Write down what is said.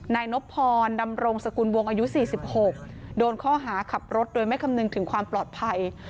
นายนบพรดำรงสกุลวงอายุ๔๖โดนข้อหาขับรถโดยไม่คำนึงถึงความปลอดภัย